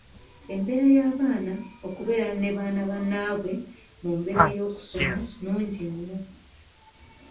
Embeera y’abaana okubeera ne baana bannaabwe mu mbeera y’okusoma nnungi nnyo.